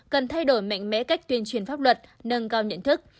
cần thay đổi mạnh mẽ cách tuyên truyền pháp luật nâng cao nhận thức